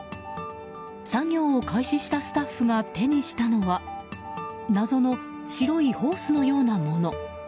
作業を開始したスタッフが手にしたのは謎の白いホースのようなもの。